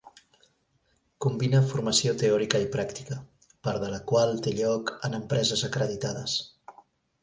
Combina formació teòrica i pràctica, part de la qual té lloc en empreses acreditades.